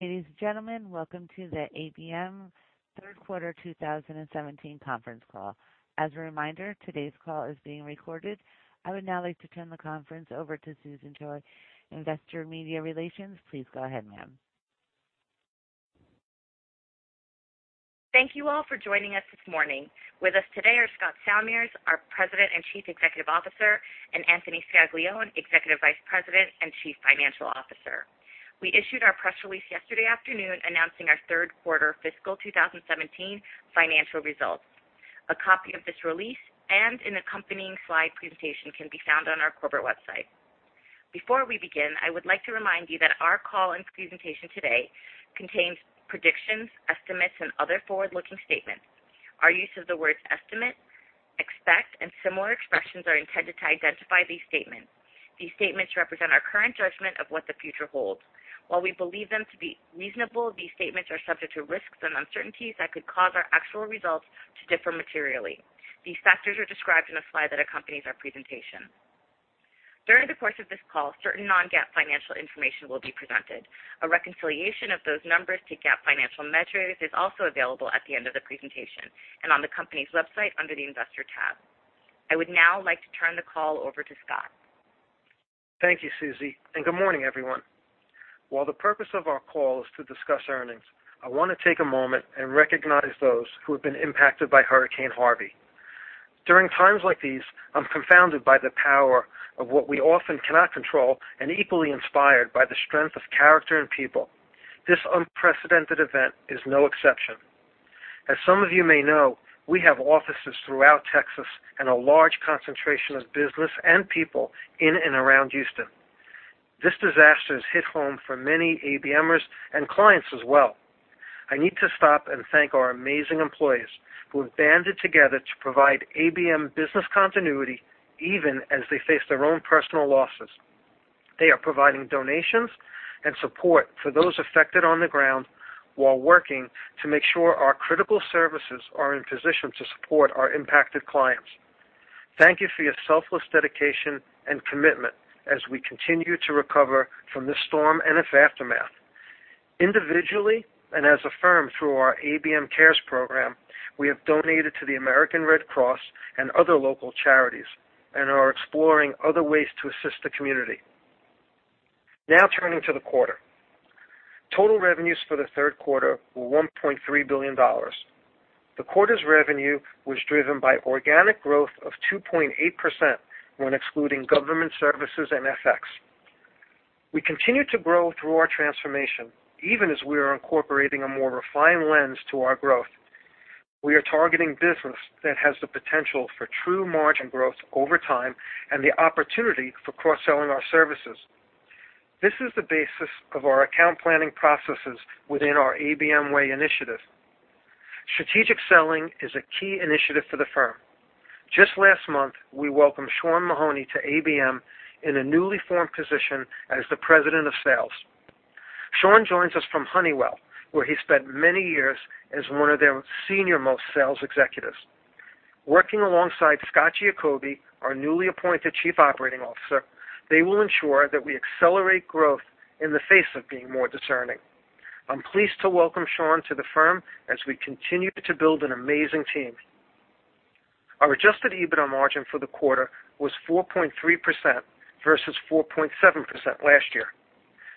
Ladies and gentlemen, welcome to the ABM third quarter 2017 conference call. As a reminder, today's call is being recorded. I would now like to turn the conference over to Susie Joy, Investor Media Relations. Please go ahead, ma'am. Thank you all for joining us this morning. With us today are Scott Salmirs, our President and Chief Executive Officer, and Anthony Scaglione, Executive Vice President and Chief Financial Officer. We issued our press release yesterday afternoon announcing our third quarter fiscal 2017 financial results. A copy of this release and an accompanying slide presentation can be found on our corporate website. Before we begin, I would like to remind you that our call and presentation today contains predictions, estimates, and other forward-looking statements. Our use of the words "estimate," "expect," and similar expressions are intended to identify these statements. These statements represent our current judgment of what the future holds. While we believe them to be reasonable, these statements are subject to risks and uncertainties that could cause our actual results to differ materially. These factors are described in a slide that accompanies our presentation. During the course of this call, certain non-GAAP financial information will be presented. A reconciliation of those numbers to GAAP financial measures is also available at the end of the presentation, and on the company's website under the Investor tab. I would now like to turn the call over to Scott. Thank you, Susie, and good morning, everyone. While the purpose of our call is to discuss earnings, I want to take one moment and recognize those who have been impacted by Hurricane Harvey. During times like these, I'm confounded by the power of what we often cannot control and equally inspired by the strength of character in people. This unprecedented event is no exception. As some of you may know, we have offices throughout Texas and a large concentration of business and people in and around Houston. This disaster has hit home for many ABMers and clients as well. I need to stop and thank our amazing employees who have banded together to provide ABM business continuity even as they face their own personal losses. They are providing donations and support for those affected on the ground while working to make sure our critical services are in position to support our impacted clients. Thank you for your selfless dedication and commitment as we continue to recover from this storm and its aftermath. Individually and as a firm through our ABM Cares program, we have donated to the American Red Cross and other local charities and are exploring other ways to assist the community. Now turning to the quarter. Total revenues for the third quarter were $1.3 billion. The quarter's revenue was driven by organic growth of 2.8% when excluding government services and FX. We continue to grow through our transformation even as we are incorporating a more refined lens to our growth. We are targeting business that has the potential for true margin growth over time and the opportunity for cross-selling our services. This is the basis of our account planning processes within our ABM Way initiative. Strategic selling is a key initiative for the firm. Just last month, we welcomed Sean Mahoney to ABM in a newly formed position as the President of Sales. Sean joins us from Honeywell, where he spent many years as one of their senior-most sales executives. Working alongside Scott Giacobbe, our newly appointed Chief Operating Officer, they will ensure that we accelerate growth in the face of being more discerning. I'm pleased to welcome Sean to the firm as we continue to build an amazing team. Our adjusted EBITDA margin for the quarter was 4.3% versus 4.7% last year.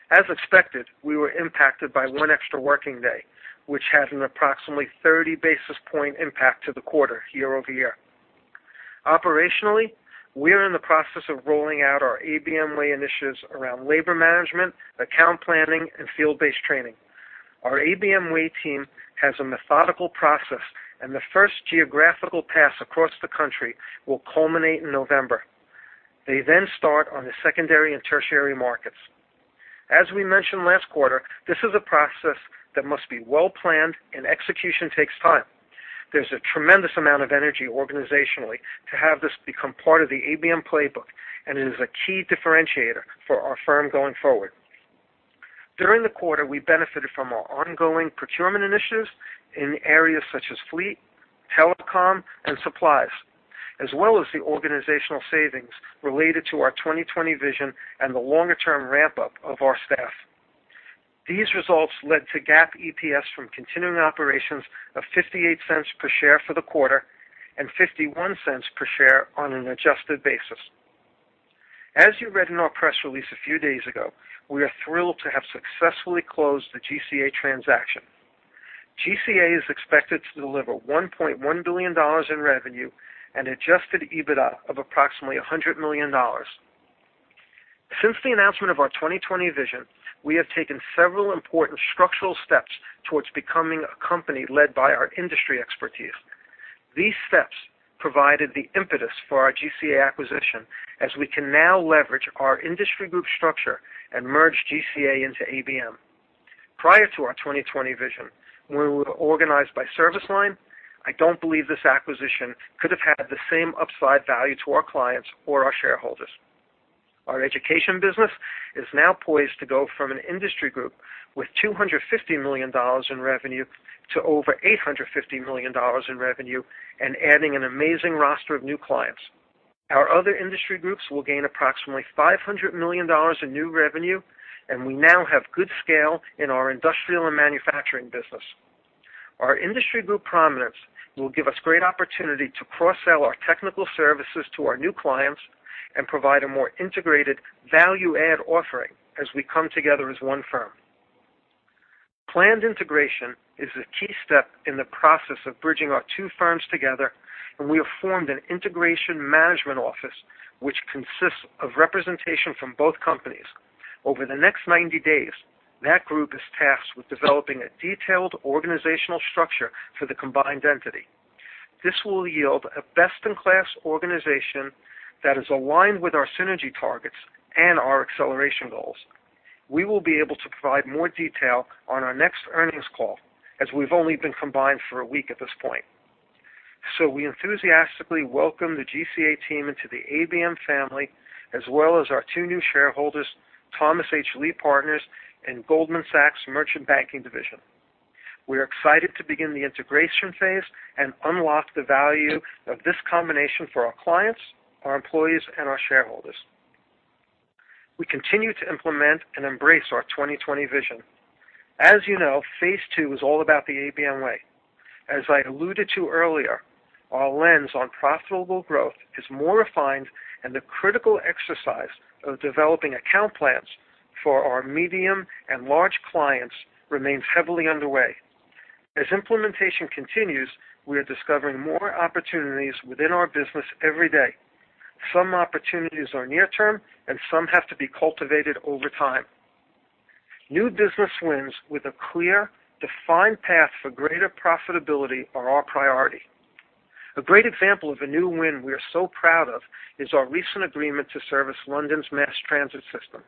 As expected, we were impacted by one extra working day, which had an approximately 30 basis point impact to the quarter year-over-year. Operationally, we are in the process of rolling out our ABM Way initiatives around labor management, account planning, and field-based training. Our ABM Way team has a methodical process, and the first geographical pass across the country will culminate in November. They then start on the secondary and tertiary markets. As we mentioned last quarter, this is a process that must be well-planned, and execution takes time. There's a tremendous amount of energy organizationally to have this become part of the ABM playbook, and it is a key differentiator for our firm going forward. During the quarter, we benefited from our ongoing procurement initiatives in areas such as fleet, telecom, and supplies, as well as the organizational savings related to our 2020 Vision and the longer-term ramp-up of our staff. These results led to GAAP EPS from continuing operations of $0.58 per share for the quarter and $0.51 per share on an adjusted basis. As you read in our press release a few days ago, we are thrilled to have successfully closed the GCA transaction. GCA is expected to deliver $1.1 billion in revenue and adjusted EBITDA of approximately $100 million. Since the announcement of our 2020 Vision, we have taken several important structural steps towards becoming a company led by our industry expertise. These steps provided the impetus for our GCA acquisition, as we can now leverage our industry group structure and merge GCA into ABM. Prior to our 2020 Vision, when we were organized by service line, I don't believe this acquisition could have had the same upside value to our clients or our shareholders. Our education business is now poised to go from an industry group with $250 million in revenue to over $850 million in revenue and adding an amazing roster of new clients. Our other industry groups will gain approximately $500 million in new revenue, and we now have good scale in our industrial and manufacturing business. Our industry group prominence will give us great opportunity to cross-sell our technical services to our new clients and provide a more integrated value-add offering as we come together as one firm. Planned integration is a key step in the process of bridging our two firms together, and we have formed an integration management office, which consists of representation from both companies. Over the next 90 days, that group is tasked with developing a detailed organizational structure for the combined entity. This will yield a best-in-class organization that is aligned with our synergy targets and our acceleration goals. We will be able to provide more detail on our next earnings call, as we've only been combined for a week at this point. We enthusiastically welcome the GCA team into the ABM family, as well as our two new shareholders, Thomas H. Lee Partners and Goldman Sachs Merchant Banking Division. We are excited to begin the integration phase and unlock the value of this combination for our clients, our employees and our shareholders. We continue to implement and embrace our 2020 Vision. As you know, phase 2 is all about the ABM Way. As I alluded to earlier, our lens on profitable growth is more refined, and the critical exercise of developing account plans for our medium and large clients remains heavily underway. As implementation continues, we are discovering more opportunities within our business every day. Some opportunities are near-term, and some have to be cultivated over time. New business wins with a clear, defined path for greater profitability are our priority. A great example of a new win we are so proud of is our recent agreement to service London's mass transit system.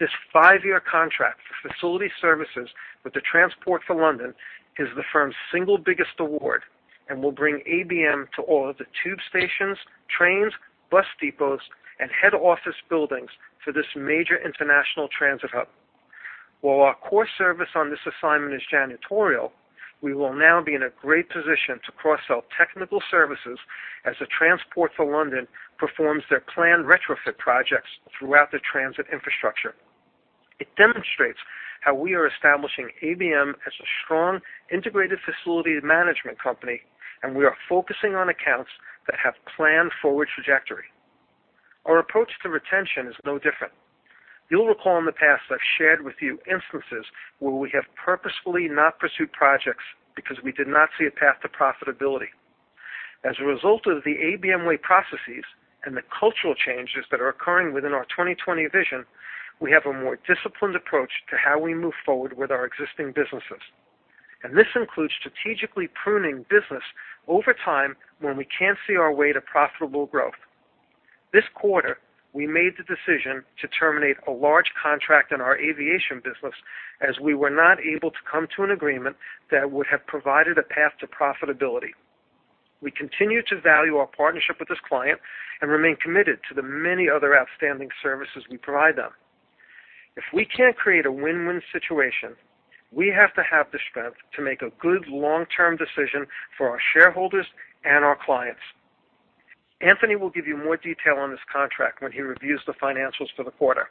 This five-year contract for facility services with the Transport for London is the firm's single biggest award and will bring ABM to all of the tube stations, trains, bus depots, and head office buildings for this major international transit hub. While our core service on this assignment is janitorial, we will now be in a great position to cross-sell technical services as the Transport for London performs their planned retrofit projects throughout the transit infrastructure. It demonstrates how we are establishing ABM as a strong integrated facilities management company, and we are focusing on accounts that have planned forward trajectory. Our approach to retention is no different. You'll recall in the past, I've shared with you instances where we have purposefully not pursued projects because we did not see a path to profitability. As a result of the ABM Way processes and the cultural changes that are occurring within our 2020 Vision, we have a more disciplined approach to how we move forward with our existing businesses. This includes strategically pruning business over time when we can't see our way to profitable growth. This quarter, we made the decision to terminate a large contract in our aviation business as we were not able to come to an agreement that would have provided a path to profitability. We continue to value our partnership with this client and remain committed to the many other outstanding services we provide them. If we can't create a win-win situation, we have to have the strength to make a good long-term decision for our shareholders and our clients. Anthony will give you more detail on this contract when he reviews the financials for the quarter.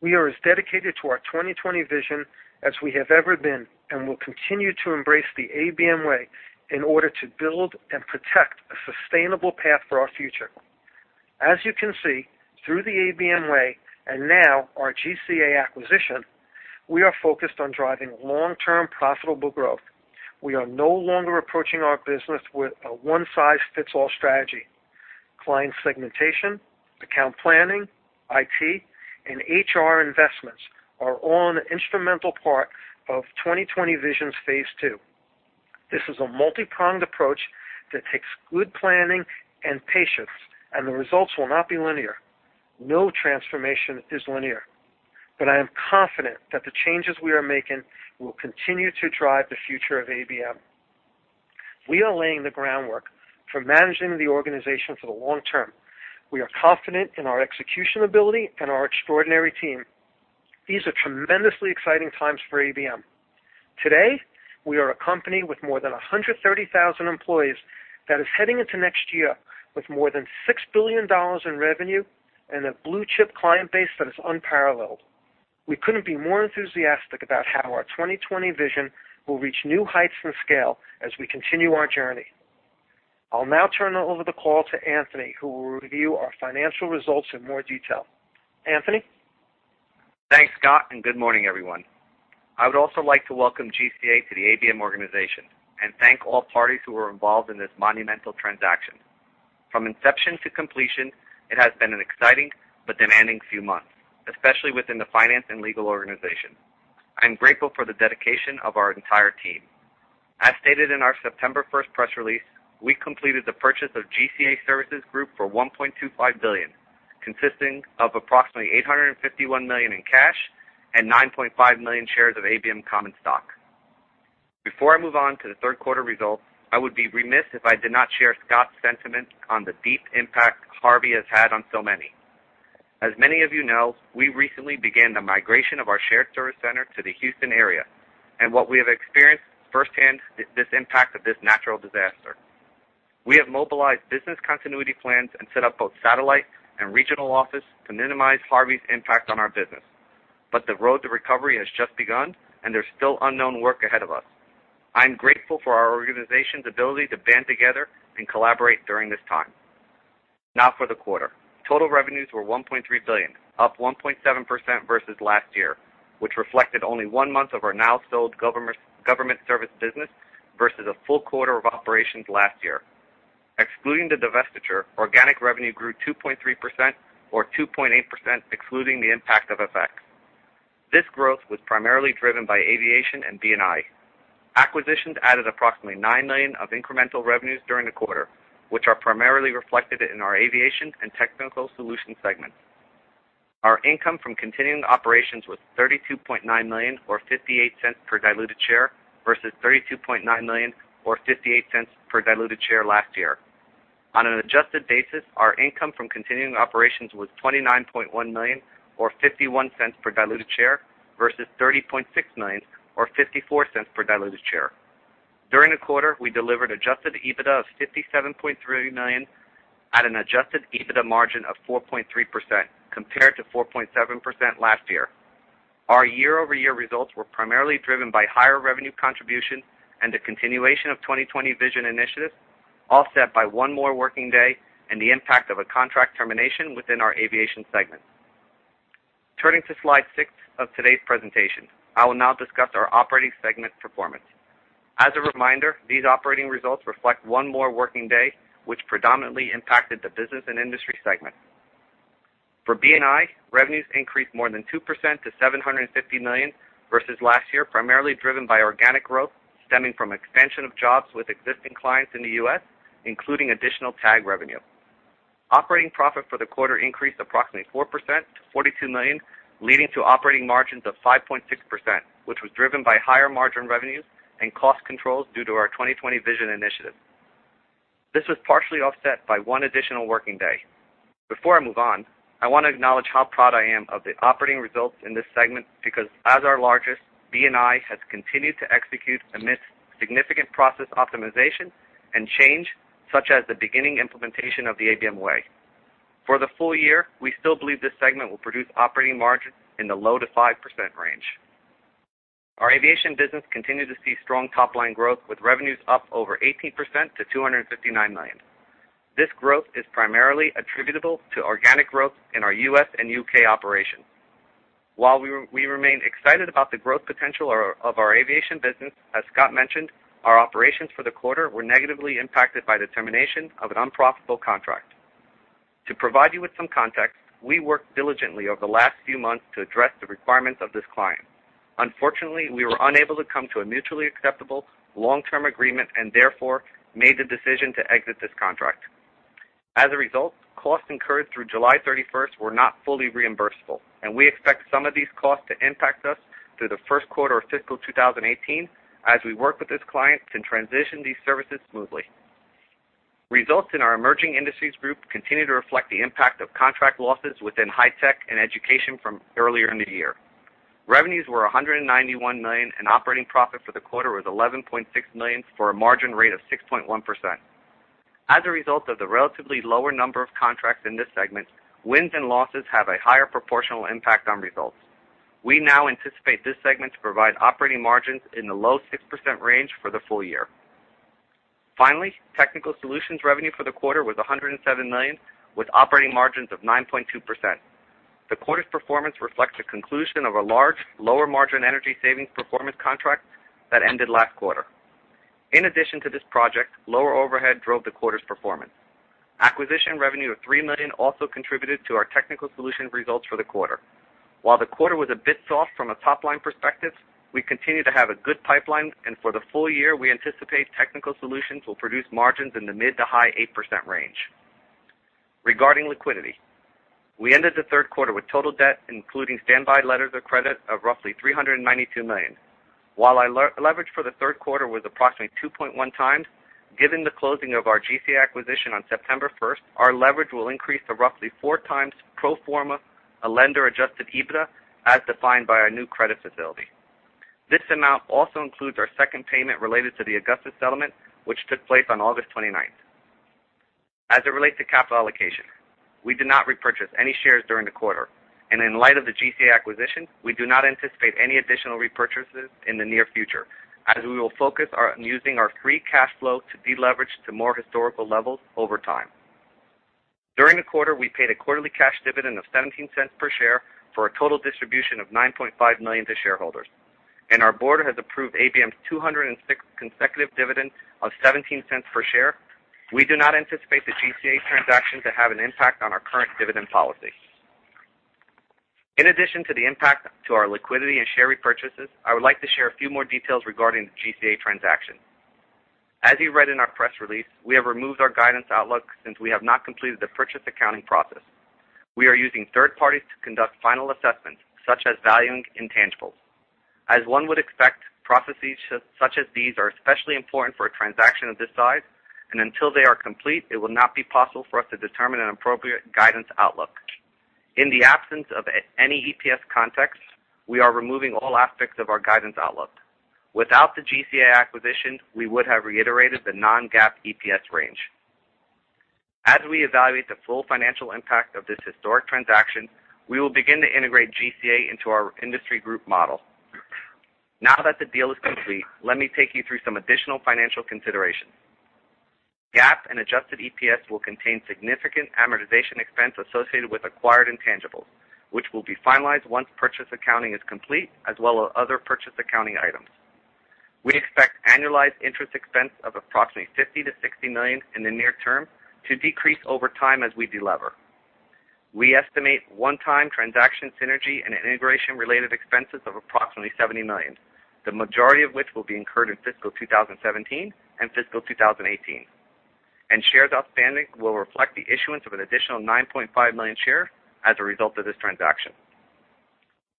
We are as dedicated to our 2020 Vision as we have ever been and will continue to embrace the ABM Way in order to build and protect a sustainable path for our future. As you can see, through the ABM Way, and now our GCA acquisition, we are focused on driving long-term profitable growth. We are no longer approaching our business with a one-size-fits-all strategy. Client segmentation, account planning, IT, and HR investments are all an instrumental part of 2020 Vision's Phase 2. This is a multi-pronged approach that takes good planning and patience, and the results will not be linear. No transformation is linear. I am confident that the changes we are making will continue to drive the future of ABM. We are laying the groundwork for managing the organization for the long term. We are confident in our execution ability and our extraordinary team. These are tremendously exciting times for ABM. Today, we are a company with more than 130,000 employees that is heading into next year with more than $6 billion in revenue and a blue-chip client base that is unparalleled. We couldn't be more enthusiastic about how our 2020 Vision will reach new heights and scale as we continue our journey. I'll now turn over the call to Anthony, who will review our financial results in more detail. Anthony? Thanks, Scott. Good morning, everyone. I would also like to welcome GCA to the ABM organization and thank all parties who were involved in this monumental transaction. From inception to completion, it has been an exciting but demanding few months, especially within the finance and legal organization. I am grateful for the dedication of our entire team. As stated in our September 1st press release, we completed the purchase of GCA Services Group for $1.25 billion, consisting of approximately $851 million in cash and 9.5 million shares of ABM common stock. Before I move on to the third quarter results, I would be remiss if I did not share Scott's sentiment on the deep impact Harvey has had on so many. As many of you know, we recently began the migration of our shared service center to the Houston area, and what we have experienced firsthand is this impact of this natural disaster. We have mobilized business continuity plans and set up both satellite and regional office to minimize Harvey's impact on our business. The road to recovery has just begun, and there's still unknown work ahead of us. I'm grateful for our organization's ability to band together and collaborate during this time. Now for the quarter. Total revenues were $1.3 billion, up 1.7% versus last year, which reflected only one month of our now sold Government Service Business versus a full quarter of operations last year. Excluding the divestiture, organic revenue grew 2.3%, or 2.8%, excluding the impact of FX. This growth was primarily driven by aviation and B&I. Acquisitions added approximately $9 million of incremental revenues during the quarter, which are primarily reflected in our aviation and Technical Solutions segments. Our income from continuing operations was $32.9 million, or $0.58 per diluted share, versus $32.9 million or $0.58 per diluted share last year. On an adjusted basis, our income from continuing operations was $29.1 million, or $0.51 per diluted share, versus $30.6 million, or $0.54 per diluted share. During the quarter, we delivered adjusted EBITDA of $57.3 million at an adjusted EBITDA margin of 4.3%, compared to 4.7% last year. Our year-over-year results were primarily driven by higher revenue contribution and the continuation of 2020 Vision initiatives, offset by one more working day and the impact of a contract termination within our aviation segment. Turning to slide six of today's presentation, I will now discuss our operating segment performance. As a reminder, these operating results reflect one more working day, which predominantly impacted the Business & Industry segment. For B&I, revenues increased more than 2% to $750 million versus last year, primarily driven by organic growth stemming from expansion of jobs with existing clients in the U.S., including additional TAG revenue. Operating profit for the quarter increased approximately 4% to $42 million, leading to operating margins of 5.6%, which was driven by higher-margin revenues and cost controls due to our 2020 Vision initiative. This was partially offset by one additional working day. Before I move on, I want to acknowledge how proud I am of the operating results in this segment, because as our largest, B&I has continued to execute amidst significant process optimization and change, such as the beginning implementation of the ABM Way. For the full year, we still believe this segment will produce operating margins in the low to 5% range. Our aviation business continued to see strong top-line growth, with revenues up over 18% to $259 million. This growth is primarily attributable to organic growth in our U.S. and U.K. operations. While we remain excited about the growth potential of our aviation business, as Scott mentioned, our operations for the quarter were negatively impacted by the termination of an unprofitable contract. To provide you with some context, we worked diligently over the last few months to address the requirements of this client. Unfortunately, we were unable to come to a mutually acceptable long-term agreement and therefore made the decision to exit this contract. As a result, costs incurred through July 31st were not fully reimbursable, and we expect some of these costs to impact us through the first quarter of fiscal 2018 as we work with this client to transition these services smoothly. Results in our emerging industries group continue to reflect the impact of contract losses within high tech and education from earlier in the year. Revenues were $191 million, and operating profit for the quarter was $11.6 million for a margin rate of 6.1%. As a result of the relatively lower number of contracts in this segment, wins and losses have a higher proportional impact on results. We now anticipate this segment to provide operating margins in the low 6% range for the full year. Finally, Technical Solutions revenue for the quarter was $107 million, with operating margins of 9.2%. The quarter's performance reflects the conclusion of a large, lower-margin energy savings performance contract that ended last quarter. In addition to this project, lower overhead drove the quarter's performance. Acquisition revenue of $3 million also contributed to our Technical Solutions results for the quarter. While the quarter was a bit soft from a top-line perspective, we continue to have a good pipeline, and for the full year, we anticipate Technical Solutions will produce margins in the mid to high 8% range. Regarding liquidity, we ended the third quarter with total debt, including standby letters of credit, of roughly $392 million. While our leverage for the third quarter was approximately 2.1 times, given the closing of our GCA acquisition on September 1st, our leverage will increase to roughly four times pro forma, a lender adjusted EBITDA, as defined by our new credit facility. This amount also includes our second payment related to the Augustus settlement, which took place on August 29th. As it relates to capital allocation, we did not repurchase any shares during the quarter, and in light of the GCA acquisition, we do not anticipate any additional repurchases in the near future, as we will focus on using our free cash flow to deleverage to more historical levels over time. During the quarter, we paid a quarterly cash dividend of $0.17 per share for a total distribution of $9.5 million to shareholders, and our board has approved ABM's 206th consecutive dividend of $0.17 per share. We do not anticipate the GCA transaction to have an impact on our current dividend policy. In addition to the impact to our liquidity and share repurchases, I would like to share a few more details regarding the GCA transaction. As you read in our press release, we have removed our guidance outlook since we have not completed the purchase accounting process. We are using third parties to conduct final assessments, such as valuing intangibles. As one would expect, processes such as these are especially important for a transaction of this size, and until they are complete, it will not be possible for us to determine an appropriate guidance outlook. In the absence of any EPS context, we are removing all aspects of our guidance outlook. Without the GCA acquisition, we would have reiterated the non-GAAP EPS range. As we evaluate the full financial impact of this historic transaction, we will begin to integrate GCA into our industry group model. Now that the deal is complete, let me take you through some additional financial considerations. GAAP and adjusted EPS will contain significant amortization expense associated with acquired intangibles, which will be finalized once purchase accounting is complete, as well as other purchase accounting items. We expect annualized interest expense of approximately $50 million-$60 million in the near term to decrease over time as we de-lever. We estimate one-time transaction synergy and integration related expenses of approximately $70 million. The majority of which will be incurred in fiscal 2017 and fiscal 2018. Shares outstanding will reflect the issuance of an additional 9.5 million shares as a result of this transaction.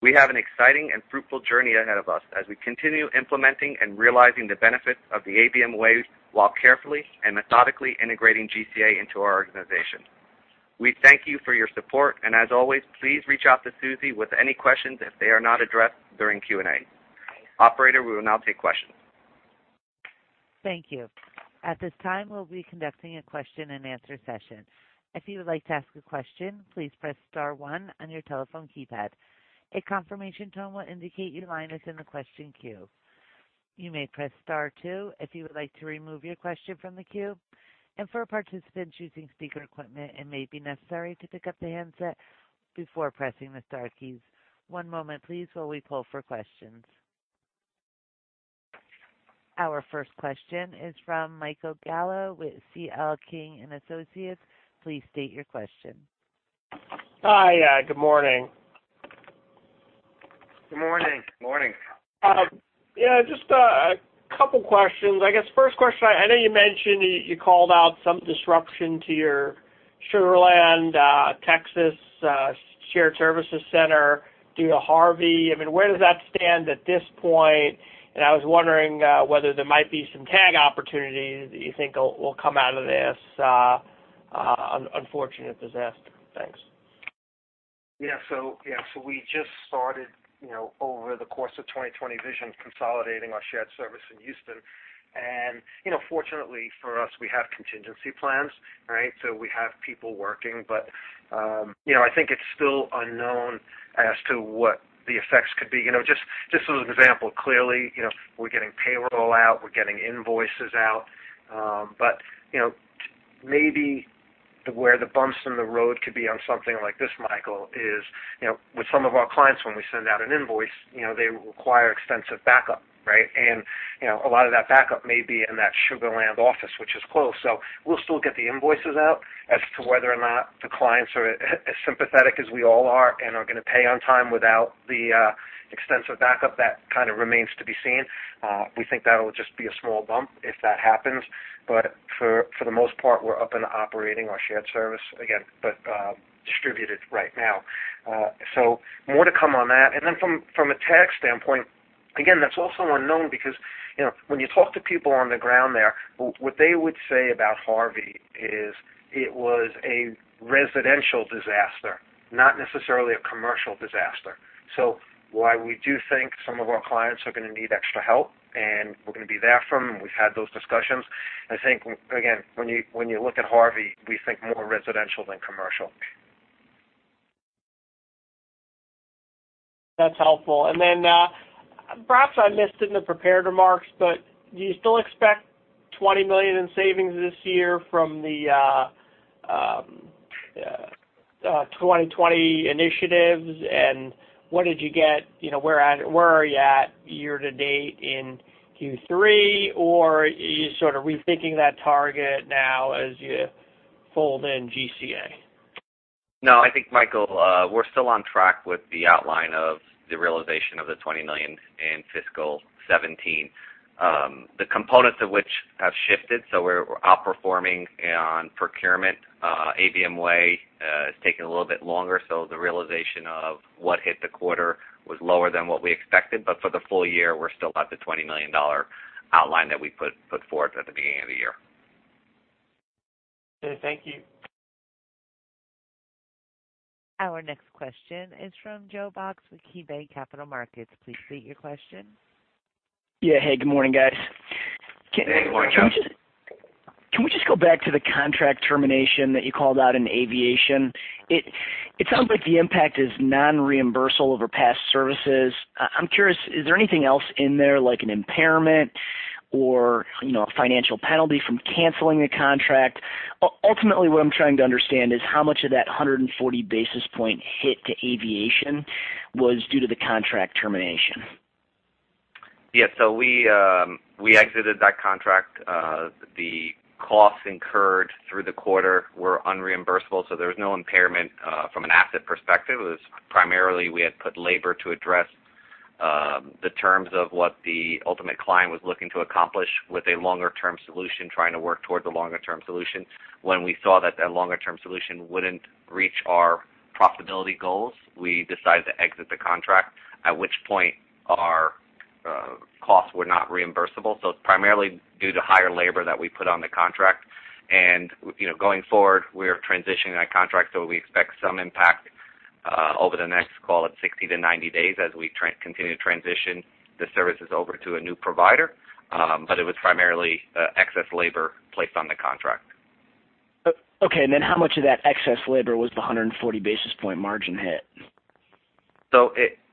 We have an exciting and fruitful journey ahead of us as we continue implementing and realizing the benefits of the ABM Way while carefully and methodically integrating GCA into our organization. We thank you for your support, and as always, please reach out to Susie with any questions if they are not addressed during Q&A. Operator, we will now take questions. Thank you. At this time, we'll be conducting a question and answer session. If you would like to ask a question, please press star one on your telephone keypad. A confirmation tone will indicate your line is in the question queue. You may press star two if you would like to remove your question from the queue. For participants using speaker equipment, it may be necessary to pick up the handset before pressing the star keys. One moment please while we poll for questions. Our first question is from Michael Gallo with C.L. King & Associates. Please state your question. Hi. Good morning. Good morning. Morning. Just a couple questions. I guess first question, I know you mentioned you called out some disruption to your Sugar Land, Texas Shared Services Center due to Hurricane Harvey. Where does that stand at this point? I was wondering whether there might be some TAG opportunities that you think will come out of this unfortunate disaster. Thanks. Yeah. We just started over the course of 2020 Vision, consolidating our Shared Services in Houston. Fortunately for us, we have contingency plans, right? We have people working. I think it's still unknown as to what the effects could be. Just as an example, clearly, we're getting payroll out, we're getting invoices out. Maybe where the bumps in the road could be on something like this, Michael, is with some of our clients, when we send out an invoice, they require extensive backup, right? A lot of that backup may be in that Sugar Land office, which is closed. We'll still get the invoices out. As to whether or not the clients are as sympathetic as we all are and are going to pay on time without the extensive backup, that kind of remains to be seen. We think that'll just be a small bump if that happens. For the most part, we're up and operating our Shared Services again, but distributed right now. More to come on that. From a tax standpoint, again, that's also unknown because when you talk to people on the ground there, what they would say about Hurricane Harvey is it was a residential disaster, not necessarily a commercial disaster. While we do think some of our clients are going to need extra help, and we're going to be there for them, and we've had those discussions. I think, again, when you look at Hurricane Harvey, we think more residential than commercial. That's helpful. Perhaps I missed in the prepared remarks, but do you still expect $20 million in savings this year from the 2020 Vision initiatives, and what did you get? Where are you at year to date in Q3, or are you sort of rethinking that target now as you fold in GCA? I think, Michael Gallo, we're still on track with the outline of the realization of the $20 million in fiscal 2017. The components of which have shifted. We're outperforming on procurement. ABM Way is taking a little bit longer. The realization of what hit the quarter was lower than what we expected. For the full year, we're still at the $20 million outline that we put forward at the beginning of the year. Okay, thank you. Our next question is from Joe Box with KeyBanc Capital Markets. Please state your question. Yeah. Hey, good morning, guys. Good morning, Joe. Can we just go back to the contract termination that you called out in aviation? It sounds like the impact is non-reimbursable over past services. I'm curious, is there anything else in there like an impairment or a financial penalty from canceling the contract? Ultimately, what I'm trying to understand is how much of that 140 basis point hit to aviation was due to the contract termination. Yeah. We exited that contract. The costs incurred through the quarter were unreimbursable, there was no impairment from an asset perspective. It was primarily we had put labor to address the terms of what the ultimate client was looking to accomplish with a longer-term solution, trying to work towards a longer-term solution. When we saw that that longer-term solution wouldn't reach our profitability goals, we decided to exit the contract. At which point our costs were not reimbursable. It's primarily due to higher labor that we put on the contract. Going forward, we're transitioning that contract, we expect some impact over the next, call it 60-90 days, as we continue to transition the services over to a new provider. It was primarily excess labor placed on the contract. Okay. How much of that excess labor was the 140 basis point margin hit?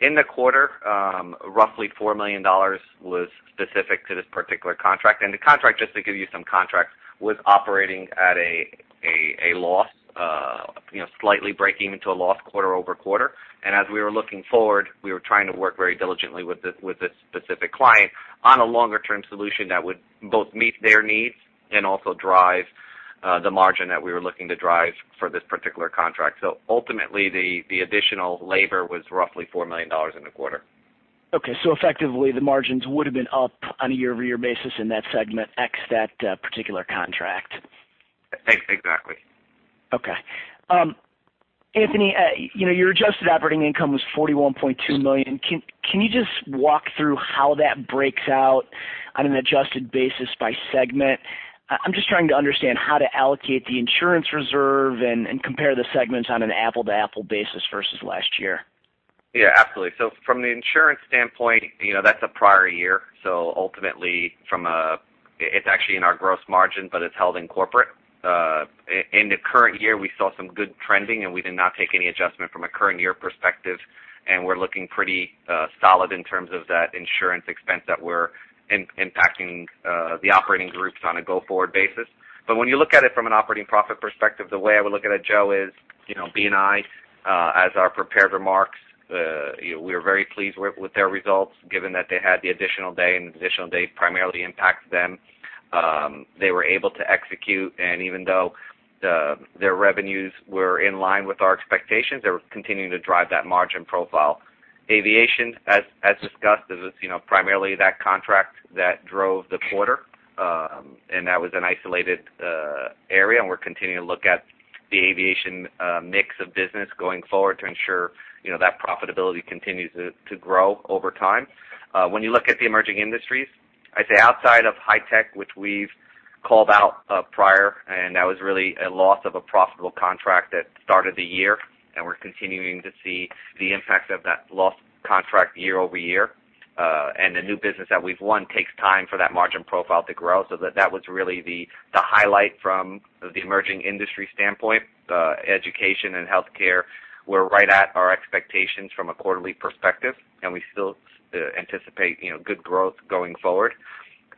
In the quarter, roughly $4 million was specific to this particular contract. The contract, just to give you some context, was operating at a loss, slightly breaking into a loss quarter-over-quarter. As we were looking forward, we were trying to work very diligently with this specific client on a longer-term solution that would both meet their needs and also drive the margin that we were looking to drive for this particular contract. Ultimately, the additional labor was roughly $4 million in the quarter. Okay. Effectively, the margins would have been up on a year-over-year basis in that segment, ex that particular contract. Exactly. Okay. Anthony, your adjusted operating income was $41.2 million. Can you just walk through how that breaks out on an adjusted basis by segment? I'm just trying to understand how to allocate the insurance reserve and compare the segments on an apple-to-apple basis versus last year. Yeah, absolutely. From the insurance standpoint, that's a prior year. Ultimately, it's actually in our gross margin, but it's held in corporate. In the current year, we saw some good trending, and we did not take any adjustment from a current year perspective, and we're looking pretty solid in terms of that insurance expense that we're impacting the operating groups on a go-forward basis. When you look at it from an operating profit perspective, the way I would look at it, Joe, is B&I. As our prepared remarks, we are very pleased with their results, given that they had the additional day, and the additional day primarily impacts them. They were able to execute, and even though their revenues were in line with our expectations, they were continuing to drive that margin profile. Aviation, as discussed, is primarily that contract that drove the quarter, and that was an isolated area, and we're continuing to look at the aviation mix of business going forward to ensure that profitability continues to grow over time. When you look at the emerging industries, I'd say outside of High Tech, which we've called out prior, and that was really a loss of a profitable contract that started the year, and we're continuing to see the impact of that lost contract year-over-year. The new business that we've won takes time for that margin profile to grow. That was really the highlight from the emerging industry standpoint. Education and Healthcare were right at our expectations from a quarterly perspective, and we still anticipate good growth going forward.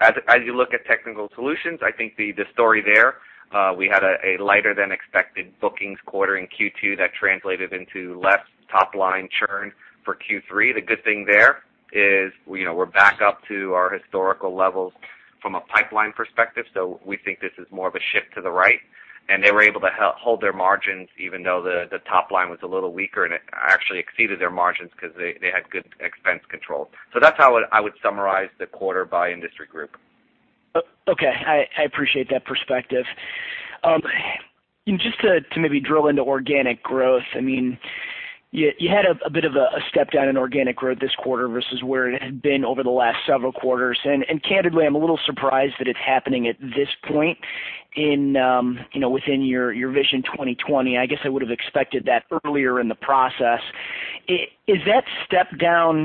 As you look at Technical Solutions, I think the story there, we had a lighter-than-expected bookings quarter in Q2 that translated into less top-line churn for Q3. The good thing there is we're back up to our historical levels from a pipeline perspective, so we think this is more of a shift to the right. They were able to hold their margins, even though the top line was a little weaker, and it actually exceeded their margins because they had good expense control. That's how I would summarize the quarter by industry group. Okay. I appreciate that perspective. Just to maybe drill into organic growth. You had a bit of a step down in organic growth this quarter versus where it had been over the last several quarters. Candidly, I'm a little surprised that it's happening at this point within your 2020 Vision. I guess I would have expected that earlier in the process. Is that step down,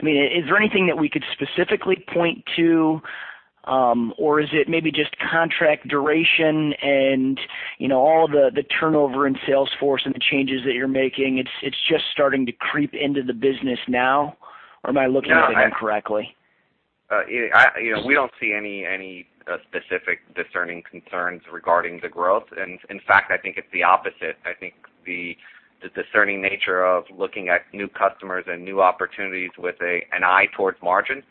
is there anything that we could specifically point to? Is it maybe just contract duration and all the turnover in sales force and the changes that you're making, it's just starting to creep into the business now? Am I looking at that incorrectly? We don't see any specific discerning concerns regarding the growth. In fact, I think it's the opposite. I think the discerning nature of looking at new customers and new opportunities with an eye towards margin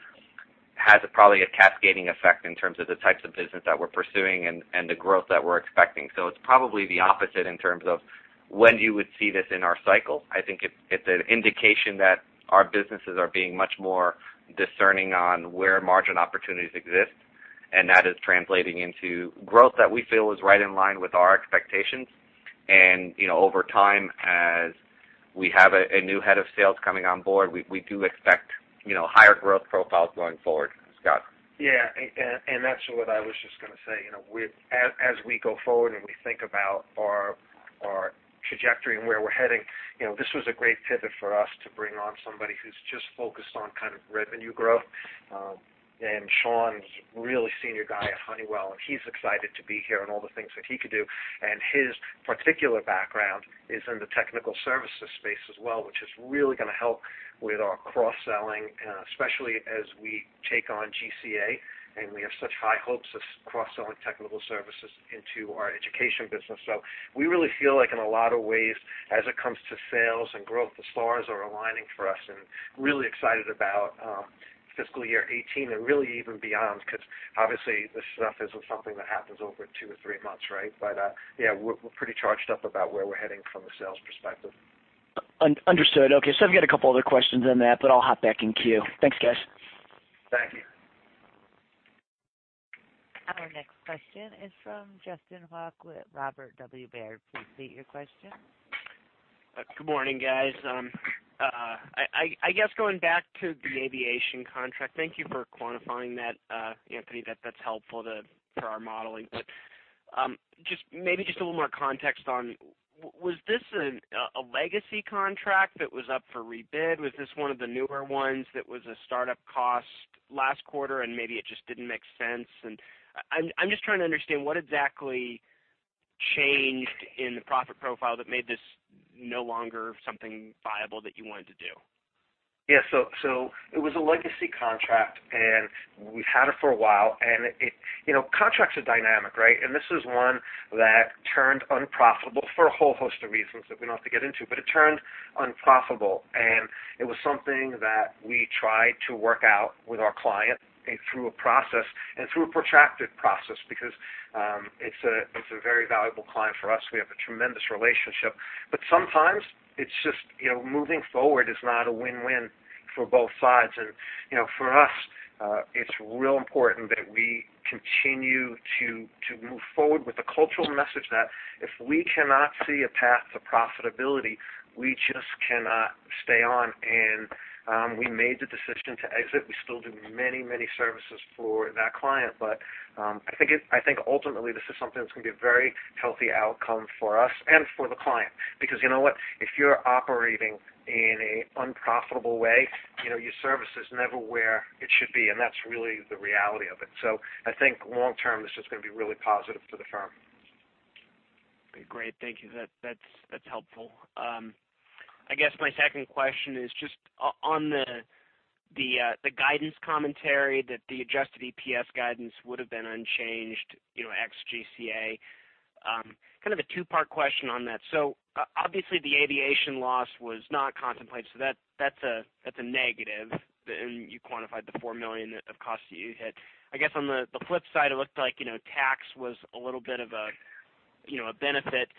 has probably a cascading effect in terms of the types of business that we're pursuing and the growth that we're expecting. It's probably the opposite in terms of when you would see this in our cycle. I think it's an indication that our businesses are being much more discerning on where margin opportunities exist, and that is translating into growth that we feel is right in line with our expectations. Over time, as we have a new head of sales coming on board, we do expect higher growth profiles going forward. Scott. Yeah, that's what I was just going to say. As we go forward and we think about our trajectory and where we're heading, this was a great pivot for us to bring on somebody who's just focused on revenue growth. Sean's a really senior guy at Honeywell, and he's excited to be here and all the things that he could do. His particular background is in the Technical Solutions space as well, which is really going to help with our cross-selling, especially as we take on GCA, and we have such high hopes of cross-selling Technical Solutions into our education business. We really feel like in a lot of ways, as it comes to sales and growth, the stars are aligning for us, and really excited about fiscal year 2018 and really even beyond, because obviously, this stuff isn't something that happens over two or three months, right? Yeah, we're pretty charged up about where we're heading from a sales perspective. Understood. Okay. I've got a couple other questions on that, but I'll hop back in queue. Thanks, guys. Thank you. Our next question is from Justin Hauk with Robert W. Baird. Please state your question. Good morning, guys. I guess going back to the aviation contract, thank you for quantifying that, Anthony. That's helpful for our modeling. Maybe just a little more context on, was this a legacy contract that was up for rebid? Was this one of the newer ones that was a startup cost last quarter and maybe it just didn't make sense? I'm just trying to understand what exactly changed in the profit profile that made this no longer something viable that you wanted to do. Yeah. It was a legacy contract, and we've had it for a while. Contracts are dynamic, right? This is one that turned unprofitable for a whole host of reasons that we don't have to get into, but it turned unprofitable, and it was something that we tried to work out with our client and through a protracted process because it's a very valuable client for us. We have a tremendous relationship. Sometimes, it's just moving forward is not a win-win for both sides. For us, it's real important that we continue to move forward with the cultural message that if we cannot see a path to profitability, we just cannot stay on. We made the decision to exit. We still do many services for that client. I think ultimately, this is something that's going to be a very healthy outcome for us and for the client. You know what? If you're operating in an unprofitable way, your service is never where it should be, and that's really the reality of it. I think long-term, this is going to be really positive for the firm. Okay, great. Thank you. That's helpful. I guess my second question is just on the guidance commentary that the adjusted EPS guidance would have been unchanged ex GCA. Kind of a two-part question on that. Obviously, the aviation loss was not contemplated, so that's a negative. You quantified the $4 million of cost you had. I guess on the flip side, it looked like tax was a little bit of a benefit.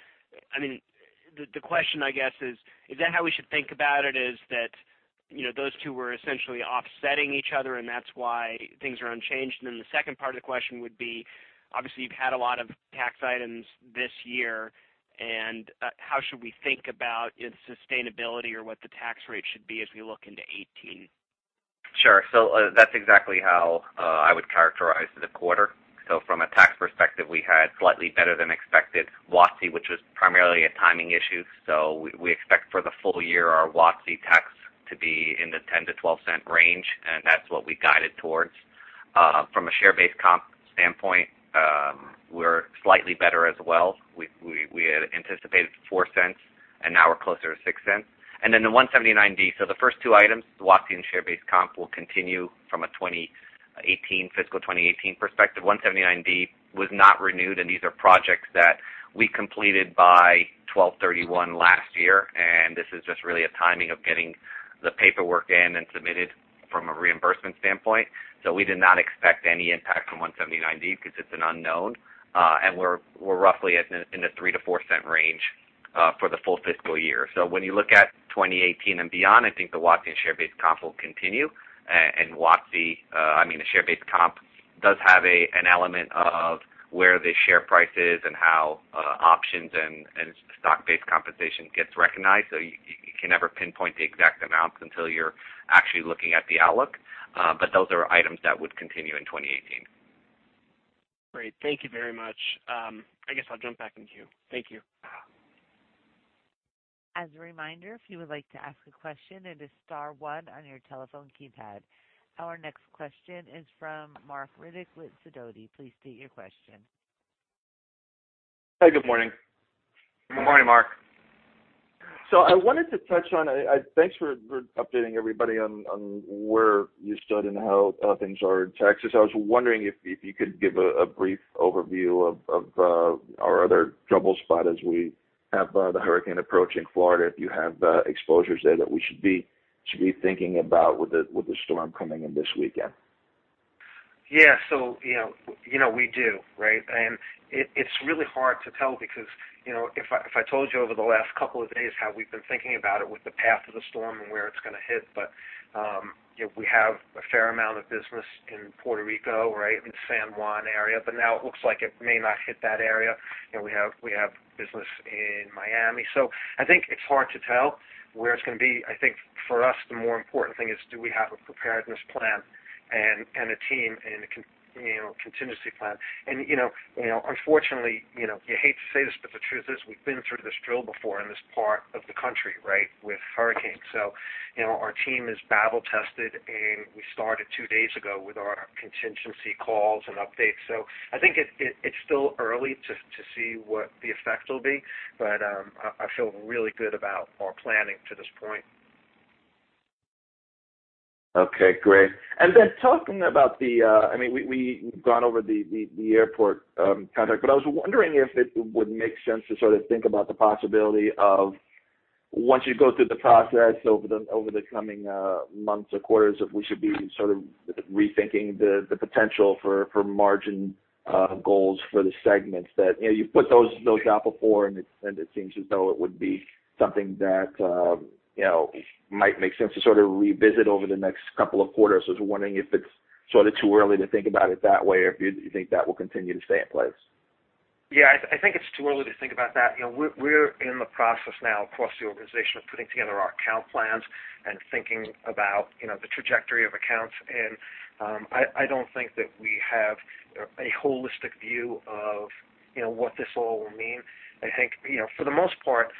The question, I guess is that how we should think about it? Is that those two were essentially offsetting each other, and that's why things are unchanged? Obviously, you've had a lot of tax items this year, and how should we think about its sustainability or what the tax rate should be as we look into 2018? Sure. That's exactly how I would characterize the quarter. From a tax perspective, we had slightly better than expected WOTC, which was primarily a timing issue. We expect for the full year our WOTC tax to be in the $0.10-$0.12 range, and that's what we guided towards. From a share-based comp standpoint, we're slightly better as well. We had anticipated $0.04, and now we're closer to $0.06. The 179D. The first two items, the WOTC and share-based comp, will continue from a fiscal 2018 perspective. 179D was not renewed, and these are projects that we completed by 12/31 last year, and this is just really a timing of getting the paperwork in and submitted from a reimbursement standpoint. We did not expect any impact from 179D because it's an unknown. We're roughly in the $0.03-$0.04 range for the full fiscal year. When you look at 2018 and beyond, I think the WOTC and share-based comp will continue. The share-based comp does have an element of where the share price is and how options and stock-based compensation gets recognized. You can never pinpoint the exact amounts until you're actually looking at the outlook. Those are items that would continue in 2018. Great. Thank you very much. I guess I'll jump back in queue. Thank you. As a reminder, if you would like to ask a question, it is star one on your telephone keypad. Our next question is from Marc Riddick with Sidoti & Company. Please state your question. Hi. Good morning. Good morning, Marc. Thanks for updating everybody on where you stood and how things are in Texas. I was wondering if you could give a brief overview of our other trouble spot as we have the hurricane approaching Florida, if you have exposures there that we should be thinking about with the storm coming in this weekend. Yeah. We do, right? It's really hard to tell because if I told you over the last couple of days how we've been thinking about it with the path of the storm and where it's going to hit. We have a fair amount of business in Puerto Rico, right, in the San Juan area, but now it looks like it may not hit that area. We have business in Miami. I think it's hard to tell where it's going to be. I think for us, the more important thing is do we have a preparedness plan and a team and a contingency plan? Unfortunately, you hate to say this, but the truth is, we've been through this drill before in this part of the country, right, with hurricanes. Our team is battle tested. We started two days ago with our contingency calls and updates. I think it's still early to see what the effect will be, but I feel really good about our planning to this point. Okay, great. Talking about the-- We've gone over the airport contract, but I was wondering if it would make sense to sort of think about the possibility of once you go through the process over the coming months or quarters, if we should be sort of rethinking the potential for margin goals for the segments that you've put those out before. It seems as though it would be something that might make sense to sort of revisit over the next couple of quarters. I was wondering if it's sort of too early to think about it that way, or if you think that will continue to stay in place. Yeah, I think it's too early to think about that. We're in the process now across the organization of putting together our account plans and thinking about the trajectory of accounts. I don't think that we have a holistic view of what this all will mean. I think for the most part,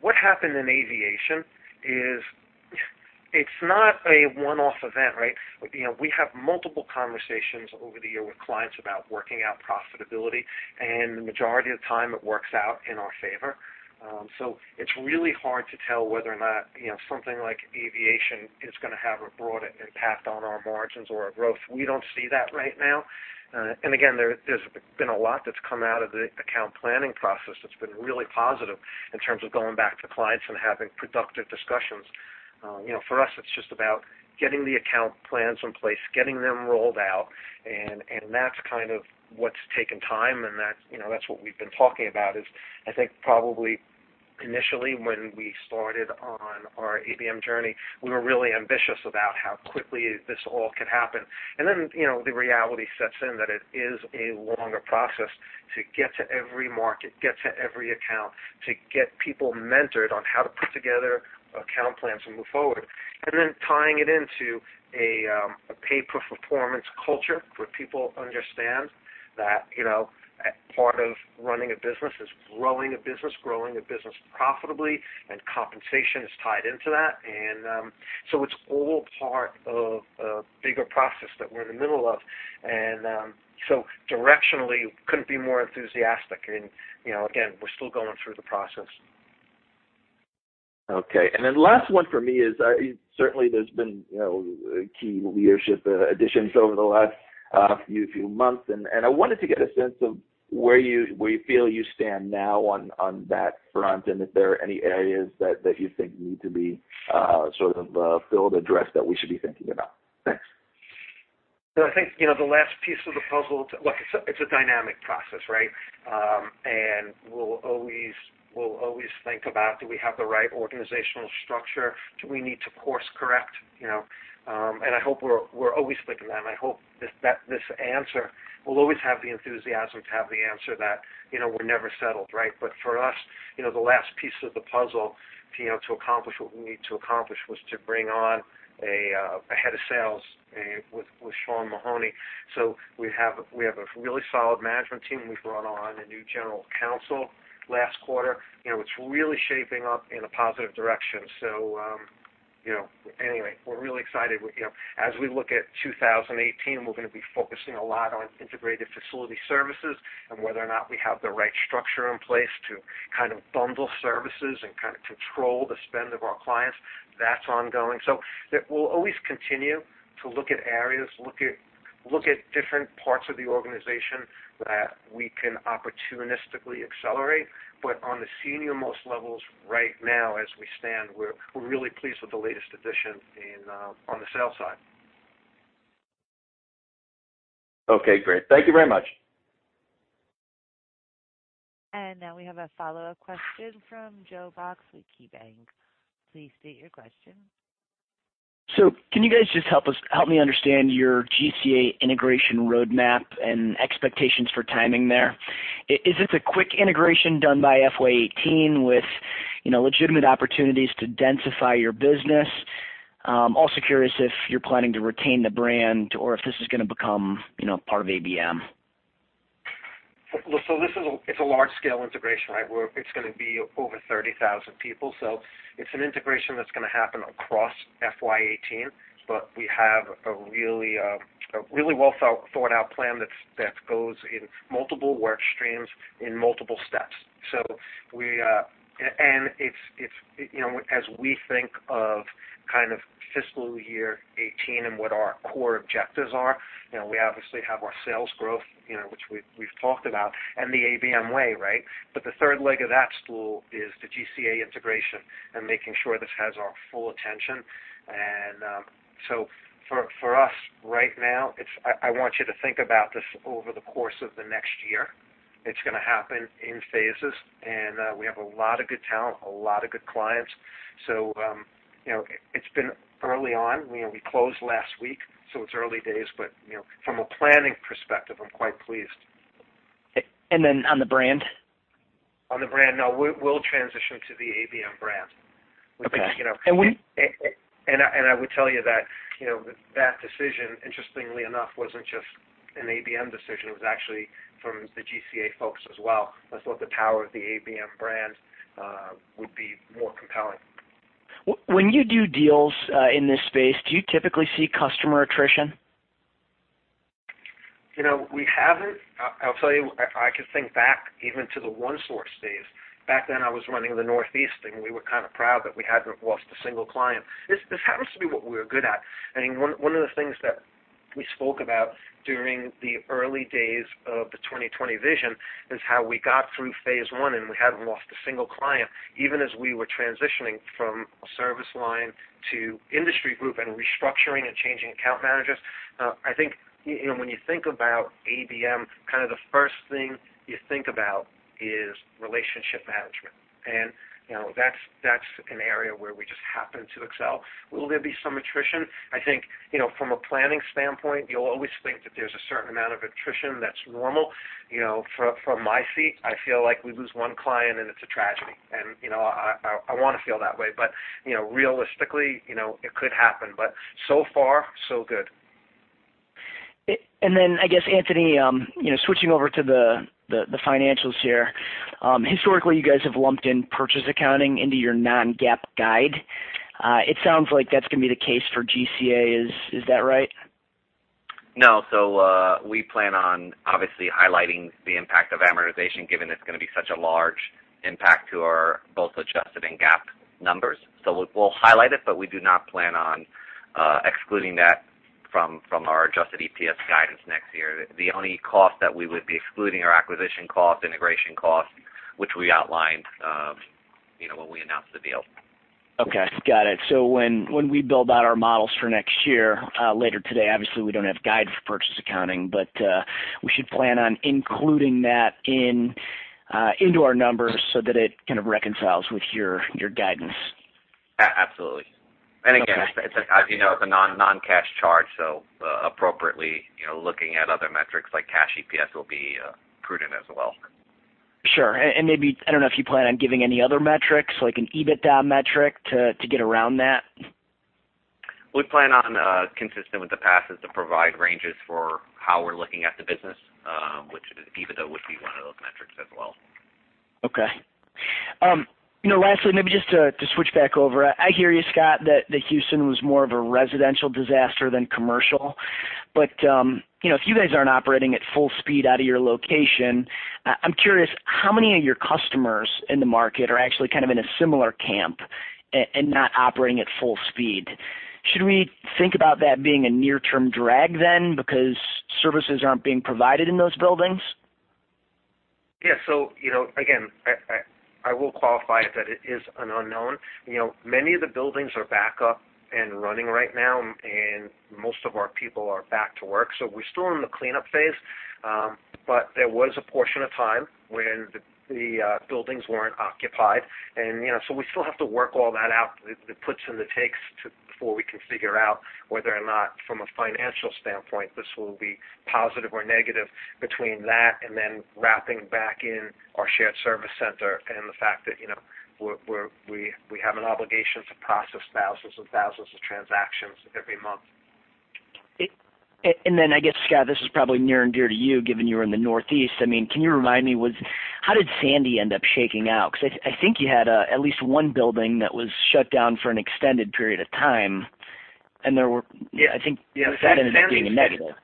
what happened in aviation is it's not a one-off event, right? We have multiple conversations over the year with clients about working out profitability. The majority of time it works out in our favor. It's really hard to tell whether or not something like aviation is going to have a broad impact on our margins or our growth. We don't see that right now. Again, there's been a lot that's come out of the account planning process that's been really positive in terms of going back to clients and having productive discussions. For us, it's just about getting the account plans in place, getting them rolled out, that's kind of what's taken time, that's what we've been talking about is I think probably initially when we started on our ABM journey, we were really ambitious about how quickly this all could happen. The reality sets in that it is a longer process to get to every market, get to every account, to get people mentored on how to put together account plans and move forward. Tying it into a pay-for-performance culture where people understand that part of running a business is growing a business, growing a business profitably, and compensation is tied into that. It's all part of a bigger process that we're in the middle of. Directionally couldn't be more enthusiastic and again, we're still going through the process. Okay. Last one for me is, certainly there's been key leadership additions over the last few months, and I wanted to get a sense of where you feel you stand now on that front, and if there are any areas that you think need to be sort of filled, addressed, that we should be thinking about. Thanks. I think, the last piece of the puzzle-- Look, it's a dynamic process, right? We'll always think about do we have the right organizational structure? Do we need to course correct? I hope we're always thinking that, and I hope that this answer will always have the enthusiasm to have the answer that we're never settled, right? For us, the last piece of the puzzle to accomplish what we need to accomplish was to bring on a head of sales with Sean Mahoney. We have a really solid management team. We've brought on a new general counsel last quarter. It's really shaping up in a positive direction. Anyway, we're really excited. As we look at 2018, we're going to be focusing a lot on integrated facility services and whether or not we have the right structure in place to kind of bundle services and kind of control the spend of our clients. That's ongoing. We'll always continue to look at areas, look at different parts of the organization that we can opportunistically accelerate. On the senior-most levels right now as we stand, we're really pleased with the latest addition on the sales side. Okay, great. Thank you very much. Now we have a follow-up question from Joe Box with KeyBanc. Please state your question. Can you guys just help me understand your GCA integration roadmap and expectations for timing there? Is this a quick integration done by FY 2018 with legitimate opportunities to densify your business? I'm also curious if you're planning to retain the brand or if this is going to become part of ABM. This is a large-scale integration, right, where it's going to be over 30,000 people. It's an integration that's going to happen across FY 2018, but we have a really well-thought-out plan that goes in multiple work streams in multiple steps. As we think of kind of fiscal year 2018 and what our core objectives are, we obviously have our sales growth, which we've talked about, and the ABM Way, right? The third leg of that stool is the GCA integration and making sure this has our full attention. For us right now, I want you to think about this over the course of the next year. It's going to happen in phases, and we have a lot of good talent, a lot of good clients. It's been early on. We closed last week, so it's early days, but from a planning perspective, I'm quite pleased. On the brand? On the brand, no. We'll transition to the ABM brand. Okay. I would tell you that that decision, interestingly enough, wasn't just an ABM decision. It was actually from the GCA folks as well. I thought the power of the ABM brand would be more compelling. When you do deals in this space, do you typically see customer attrition? We haven't. I'll tell you, I can think back even to the OneSource days. Back then, I was running the Northeast, and we were kind of proud that we hadn't lost a single client. This happens to be what we're good at. I mean, one of the things that we spoke about during the early days of the 2020 Vision is how we got through phase one and we hadn't lost a single client, even as we were transitioning from Service line to industry group and restructuring and changing account managers. I think when you think about ABM, the first thing you think about is relationship management. That's an area where we just happen to excel. Will there be some attrition? I think, from a planning standpoint, you'll always think that there's a certain amount of attrition that's normal. From my seat, I feel like we lose one client and it's a tragedy. I want to feel that way, but realistically, it could happen. So far, so good. I guess, Anthony, switching over to the financials here. Historically, you guys have lumped in purchase accounting into your non-GAAP guide. It sounds like that's going to be the case for GCA. Is that right? No. We plan on obviously highlighting the impact of amortization, given it's going to be such a large impact to our both adjusted and GAAP numbers. We will highlight it, but we do not plan on excluding that from our adjusted EPS guidance next year. The only cost that we would be excluding are acquisition cost, integration cost, which we outlined when we announced the deal. Okay. Got it. When we build out our models for next year, later today, obviously, we don't have guide for purchase accounting, we should plan on including that into our numbers so that it kind of reconciles with your guidance. Absolutely. Again, as you know, it's a non-cash charge. Appropriately, looking at other metrics like cash EPS will be prudent as well. Sure. Maybe, I don't know if you plan on giving any other metrics, like an EBITDA metric to get around that? We plan on, consistent with the past, is to provide ranges for how we're looking at the business, which EBITDA would be one of those metrics as well. Okay. Lastly, maybe just to switch back over. I hear you, Scott, that the Houston was more of a residential disaster than commercial. If you guys aren't operating at full speed out of your location, I'm curious how many of your customers in the market are actually kind of in a similar camp and not operating at full speed? Should we think about that being a near-term drag then, because services aren't being provided in those buildings? Yeah. Again, I will qualify it that it is an unknown. Many of the buildings are back up and running right now, and most of our people are back to work. There was a portion of time when the buildings weren't occupied. We still have to work all that out, the puts and the takes before we can figure out whether or not from a financial standpoint, this will be positive or negative. Between that and then wrapping back in our shared service center and the fact that we have an obligation to process thousands and thousands of transactions every month. I guess, Scott, this is probably near and dear to you, given you were in the Northeast. Can you remind me, how did Sandy end up shaking out? I think you had at least one building that was shut down for an extended period of time. Yeah. I think that ended up being a negative.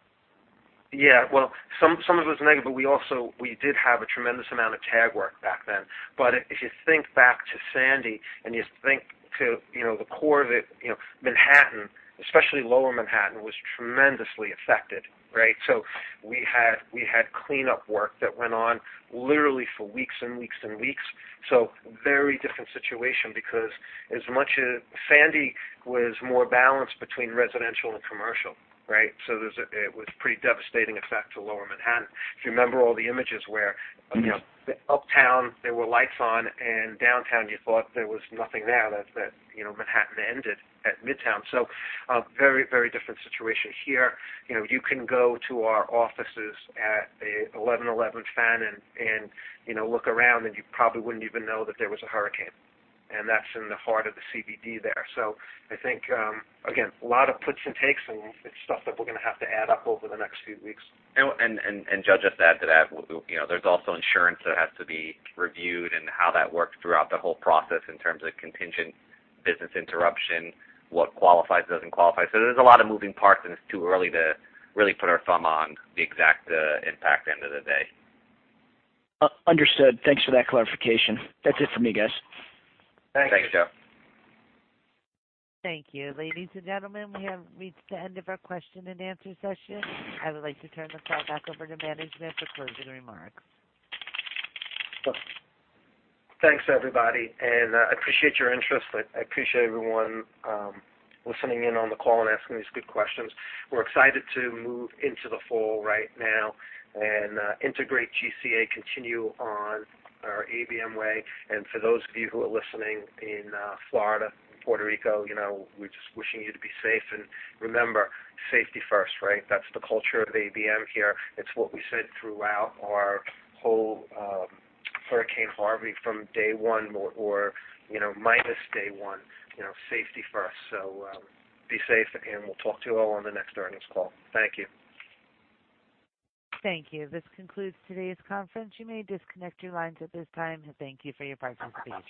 Yeah. Well, some of it was negative. We did have a tremendous amount of TAG work back then. If you think back to Sandy and you think to the core of it, Manhattan, especially Lower Manhattan, was tremendously affected, right? We had cleanup work that went on literally for weeks and weeks and weeks. Very different situation because as much as Sandy was more balanced between residential and commercial, right? It was pretty devastating effect to Lower Manhattan. If you remember all the images where uptown, there were lights on, and downtown you thought there was nothing there, that Manhattan ended at Midtown. A very different situation here. You can go to our offices at 1111 Fannin and look around, and you probably wouldn't even know that there was a hurricane. And that's in the heart of the CBD there. I think, again, a lot of puts and takes, and it's stuff that we're going to have to add up over the next few weeks. And Joe, just to add to that, there's also insurance that has to be reviewed and how that works throughout the whole process in terms of contingent business interruption, what qualifies, doesn't qualify. There's a lot of moving parts, and it's too early to really put our thumb on the exact impact at the end of the day. Understood. Thanks for that clarification. That's it for me, guys. Thank you. Thanks, Joe. Thank you. Ladies and gentlemen, we have reached the end of our question and answer session. I would like to turn the call back over to management for closing remarks. Thanks, everybody, and I appreciate your interest. I appreciate everyone listening in on the call and asking these good questions. We're excited to move into the fall right now and integrate GCA, continue on our ABM Way. For those of you who are listening in Florida and Puerto Rico, we're just wishing you to be safe. Remember, safety first, right? That's the culture of ABM here. It's what we said throughout our whole Hurricane Harvey from day one or minus day one. Safety first. Be safe, and we'll talk to you all on the next earnings call. Thank you. Thank you. This concludes today's conference. You may disconnect your lines at this time. Thank you for your participation.